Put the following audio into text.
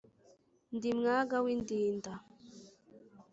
Ndi Mwaga w'Indinda